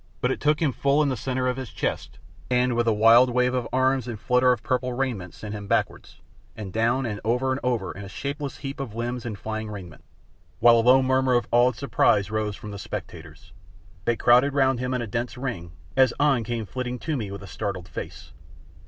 But it took him full in the centre of his chest, and with a wild wave of arms and a flutter of purple raiment sent him backwards, and down, and over and over in a shapeless heap of limbs and flying raiment, while a low murmur of awed surprise rose from the spectators. They crowded round him in a dense ring, as An came flitting to me with a startled face.